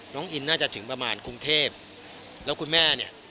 น้องอินน่าจะถึงประมาณกรุงเทพแล้วคุณแม่เนี่ย